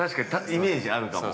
イメージあるかも。